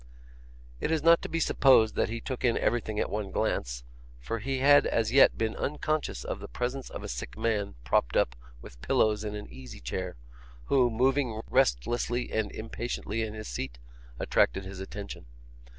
It is not to be supposed that he took in everything at one glance, for he had as yet been unconscious of the presence of a sick man propped up with pillows in an easy chair, who, moving restlessly and impatiently in his seat, attracted his attention.